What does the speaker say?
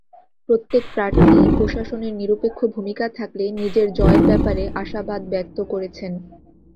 প্রত্যেক প্রার্থীই প্রশাসনের নিরপেক্ষ ভূমিকা থাকলে নিজের জয়ের ব্যাপারে আশাবাদ ব্যক্ত করেছেন।